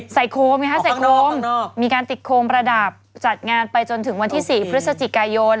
โคมใส่โคมมีการติดโคมประดับจัดงานไปจนถึงวันที่๔พฤศจิกายน